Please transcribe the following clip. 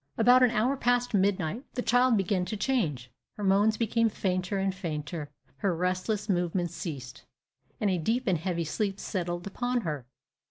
About an hour past midnight, the child began to change; her moans became fainter and fainter, her restless movements ceased, and a deep and heavy sleep settled upon her.